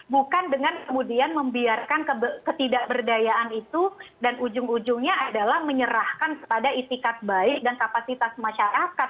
bukan dengan kemudian membiarkan ketidakberdayaan itu dan ujung ujungnya adalah menyerahkan kepada itikat baik dan kapasitas masyarakat